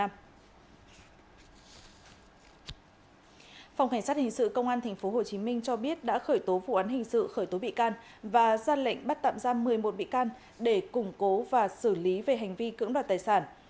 phòng cảnh sát hình sự công an tp hcm cho biết đã khởi tố vụ án hình sự khởi tố bị can và ra lệnh bắt tạm giam một mươi một bị can để củng cố và xử lý về hành vi cưỡng đoạt tài sản